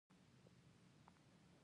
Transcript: د پیرودونکي وفاداري د باور میوه ده.